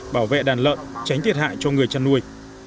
bảo vệ đàn lợn tránh thiệt hại cho người chăn nuôi